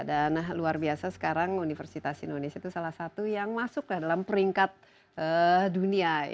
dan luar biasa sekarang universitas indonesia itu salah satu yang masuk dalam peringkat dunia